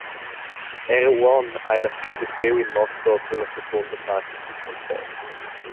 Era uonn ha ella puspei priu in motto per la secunda part dil concert.